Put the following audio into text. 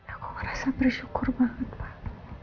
aku merasa bersyukur banget pak